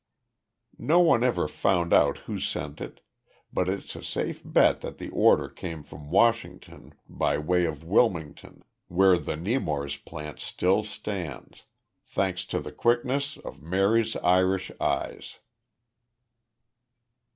No one ever found out who sent it, but it's a safe bet that the order came from Washington by way of Wilmington, where the Nemours plant still stands thanks to the quickness of Mary's Irish eyes.